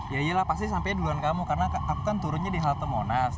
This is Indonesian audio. ya iyalah pasti sampai duluan kamu karena aku kan turunnya di halte monas